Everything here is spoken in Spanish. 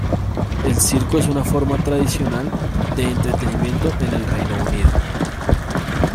El circo es una forma tradicional de entretenimiento en el Reino Unido.